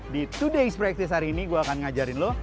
di today's practice hari ini gue akan ngajarin lo